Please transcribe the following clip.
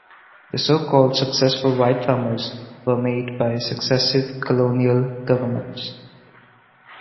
The so-called successful white farmers were made by successive colonial governments.